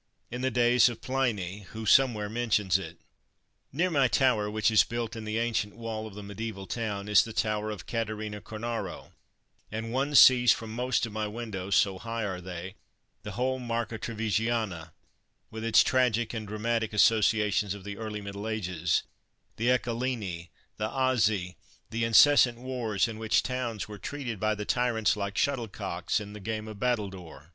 in the days of Pliny, who somewhere mentions it. "Near my tower, which is built in the ancient wall of the mediaeval town, is the tower of Caterina Cornaro, and one sees from most of my windows, so high are they, the whole Marca Trevigiana, with its tragic and dramatic associations of the early Middle Ages; the Eccelini, the Azzi, the incessant wars in which towns were treated by the tyrants like shuttlecocks in the game of battledoor.